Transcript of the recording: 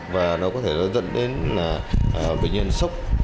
và nó có thể dẫn đến bệnh nhân sốc